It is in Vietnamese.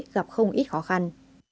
gặp không ít khó khăn